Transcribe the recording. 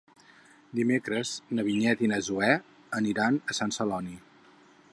Dimecres na Vinyet i na Zoè aniran a Sant Celoni.